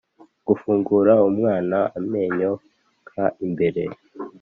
gufungura umunwa amenyo yaka imbere,